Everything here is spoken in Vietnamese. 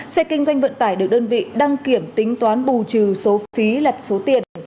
xe kinh doanh vận tải được đơn vị đăng kiểm tính toán bù trừ số phí lật số tiền